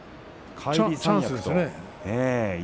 チャンスですね。